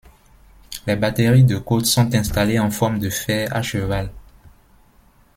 Les batteries de côte sont installées en forme de fer à cheval.